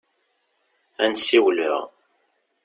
Ad n-siwleɣ.